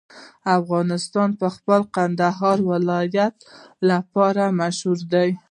افغانستان د خپل کندهار ولایت لپاره مشهور دی.